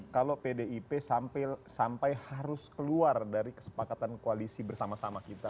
kalau pdip sampai harus keluar dari kesepakatan koalisi bersama sama kita